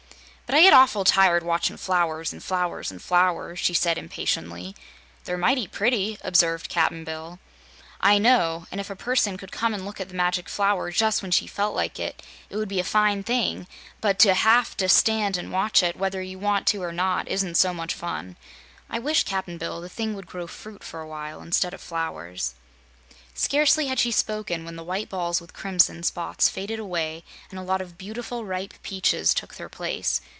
"But I get awful tired watchin' flowers an' flowers an' flowers," she said impatiently. "They're might pretty," observed Cap'n Bill. "I know; and if a person could come and look at the Magic Flower just when she felt like it, it would be a fine thing, but to HAVE TO stand and watch it, whether you want to or not, isn't so much fun. I wish, Cap'n Bill, the thing would grow fruit for a while instead of flowers." Scarcely had she spoken when the white balls with crimson spots faded away and a lot of beautiful ripe peaches took their place.